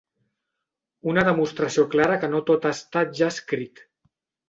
Una demostració clara que no tot ha estat ja escrit.